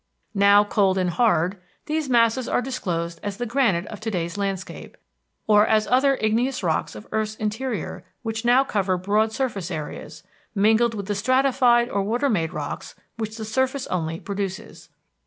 Now, cold and hard, these masses are disclosed as the granite of to day's landscape, or as other igneous rocks of earth's interior which now cover broad surface areas, mingled with the stratified or water made rocks which the surface only produces.